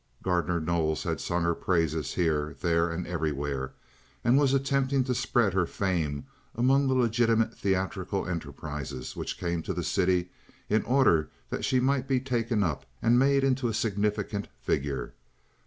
Gardner Knowles had sung her praises here, there, and everywhere, and was attempting to spread her fame among the legitimate theatrical enterprises which came to the city in order that she might be taken up and made into a significant figure.